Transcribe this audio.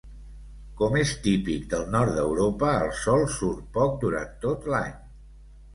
Com és típic del nord d'Europa, el sol surt poc durant tot l'any.